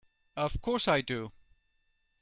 Of course I do!